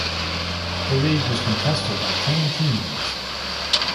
The league was contested by ten teams.